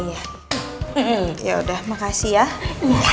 ya udah makasih ya